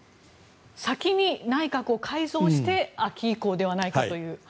先に内閣を改造して秋以降ではないかという。